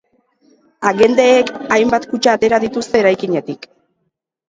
Agenteek hainbat kutxa atera dituzte eraikinetik.